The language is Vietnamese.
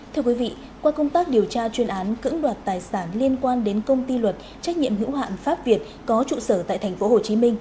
thưa quý vị qua công tác điều tra chuyên án cưỡng đoạt tài sản liên quan đến công ty luật trách nhiệm hữu hạn pháp việt có trụ sở tại tp hcm